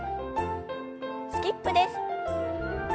スキップです。